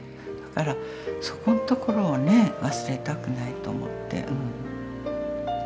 だからそこんところをね忘れたくないと思ってうん。